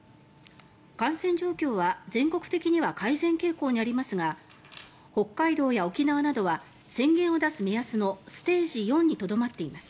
感染状況は、全国的には改善傾向にありますが北海道や沖縄などは宣言を出す目安のステージ４にとどまっています。